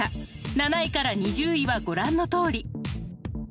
７位から２０位はご覧のとおり。